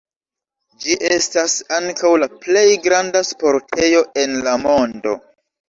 Ĝi estas ankaŭ la plej granda sportejo en la mondo.